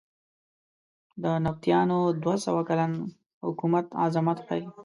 د نبطیانو دوه سوه کلن حکومت عظمت ښیې.